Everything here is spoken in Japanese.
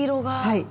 はい。